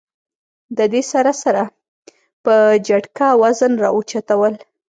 د دې سره سره پۀ جټکه وزن را اوچتول